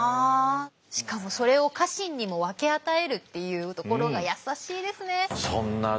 しかもそれを家臣にも分け与えるっていうところが優しいですね。